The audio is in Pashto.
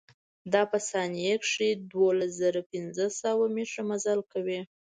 دا په ثانيه کښې دولز زره پنځه سوه مټره مزل کوي.